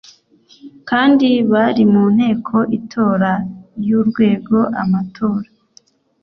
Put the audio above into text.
kandi bari mu nteko itora y urwego amatora